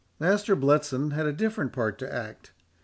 Master Bletson had a different part to act.